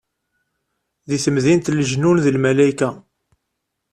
Deg temdint n lejnun d lmalayka.